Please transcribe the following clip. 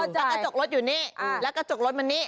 กระจกรถอยู่นี่แล้วกระจกรถมันนี่